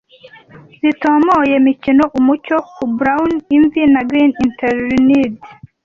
Zitomoye mikino umucyo ku brown imvi na green interlined ,